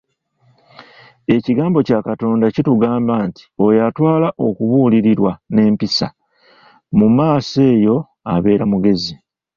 Ekigambo kya Katonda kitugamba nti oyo atwala okubuulirirwa n'empisa, mu maaso eyo abeera mugezi.